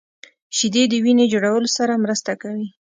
شیدې د وینې جوړولو سره مرسته کوي